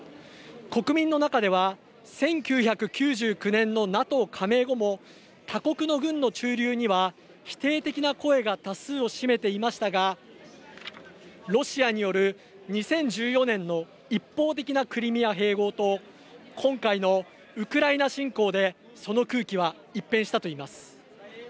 国民の中では１９９９年のＮＡＴＯ加盟後も他国の軍の駐留には否定的な声が多数ありましたがロシアによる２０１４年の一方的なクリミア併合と今回の、ウクライナ侵攻でその空気は一変したといいます。